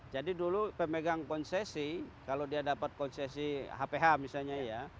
jadi dulu pemegang konsesi kalau dia dapat konsesi hph misalnya ya